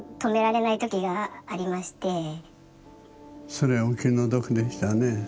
それはお気の毒でしたね。